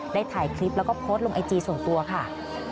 ได้ถ่ายคลิปแล้วก็โพสต์ลงไอจีส่วนตัวค่ะ